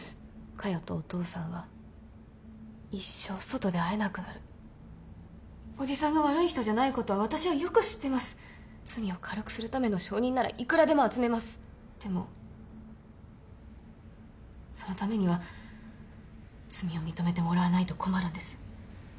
加代とお父さんは一生外で会えなくなるおじさんが悪い人じゃないことは私はよく知ってます罪を軽くするための証人ならいくらでも集めますでもそのためには罪を認めてもらわないと困るんです